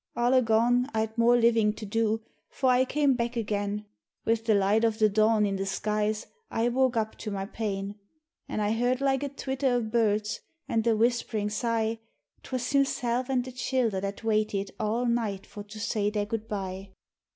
Ullagone, I'd more livin' to do, for I came back again. With the light o' the dawn in the skies I woke up to my pain, An' I heard like a twitter o' birds, an' a whishperin' sigh, 'Twas himself an' the childher that waited all night for to say their good bye.